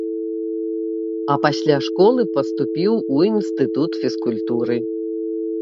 А пасля школы паступіў у інстытут фізкультуры.